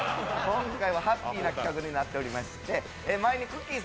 今回はハッピーな企画になっていまして前にくっきー！